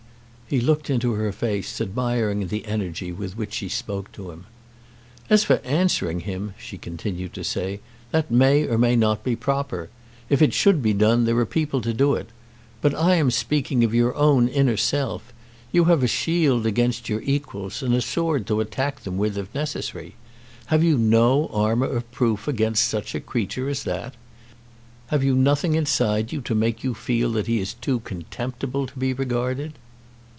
He looked into her face, admiring the energy with which she spoke to him. "As for answering him," she continued to say, "that may or may not be proper. If it should be done, there are people to do it. But I am speaking of your own inner self. You have a shield against your equals, and a sword to attack them with if necessary. Have you no armour of proof against such a creature as that? Have you nothing inside you to make you feel that he is too contemptible to be regarded?"